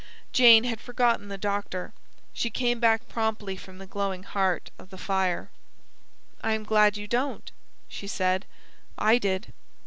Jane had forgotten the doctor. She came back promptly from the glowing heart of the fire. "I am glad you don't," she said. "I did.